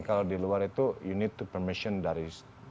kalau di luar itu you need to permission dari